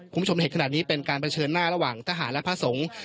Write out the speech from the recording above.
คุณผู้ชมเห็นขนาดนี้เป็นการเผชิญหน้าระหว่างทหารและพระสงฆ์